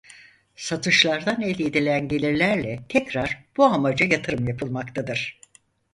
Satışlardan elde edilen gelirlerle tekrar bu amaca yatırım yapılmaktadır.